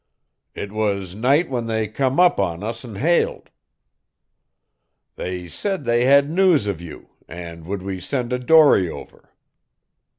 It was night when they come up on us an' hailed. "They said they had news of you, an' would we send a dory over.